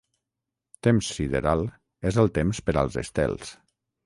Temps sideral és el temps per als estels.